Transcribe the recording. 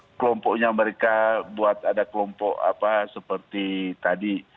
karena kelompoknya mereka buat ada kelompok seperti tadi